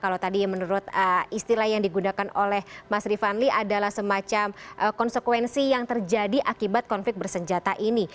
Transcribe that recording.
kalau tadi menurut istilah yang digunakan oleh mas rifanli adalah semacam konsekuensi yang terjadi akibat konflik bersenjata ini